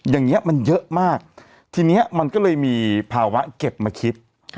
อย่างนี้มันเยอะมากทีนี้มันก็เลยมีภาวะเก็บมาคิด